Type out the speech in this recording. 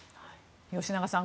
吉永さん